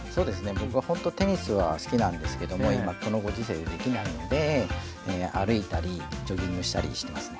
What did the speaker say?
僕はほんとテニスは好きなんですけども今このご時世でできないので歩いたりジョギングしたりしてますね。